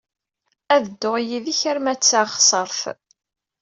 Ad dduɣ yid-k arma d taɣsert.